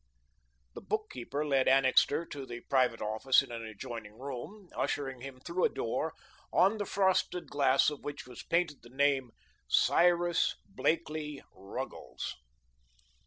The bookkeeper led Annixter to the private office in an adjoining room, ushering him through a door, on the frosted glass of which was painted the name, "Cyrus Blakelee Ruggles."